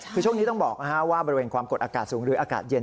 คือช่วงนี้ต้องบอกว่าบริเวณความกดอากาศสูงหรืออากาศเย็น